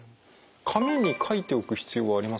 紙に書いておく必要はありますか？